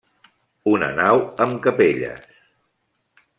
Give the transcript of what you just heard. Una nau amb capelles.